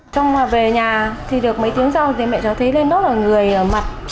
trong mà về nhà thì được mấy tiếng sau thì mẹ cháu thấy lên nó là người ở mặt